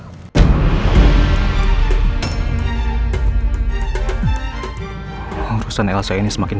dia puasa sama riki ini sudah sampai riset kalau saya ikut sekolah dengan riki ini